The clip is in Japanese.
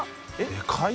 でかい！